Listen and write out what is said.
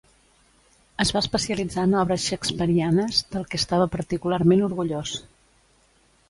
Es va especialitzar en obres shakespearianes, del que estava particularment orgullós.